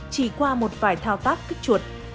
chỉ qua một vài thao tác kích chuột